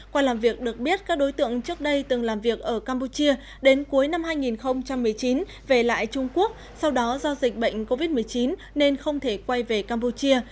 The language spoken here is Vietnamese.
qua làm việc được biết các đối tượng trước đây từng làm việc ở campuchia đến cuối năm hai nghìn một mươi chín về lại trung quốc sau đó do dịch bệnh covid một mươi chín nên không thể quay về campuchia